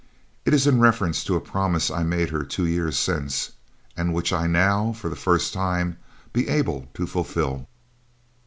It is in reference to a promise I made her two years since and which I now, for the first time, be able to fulfill."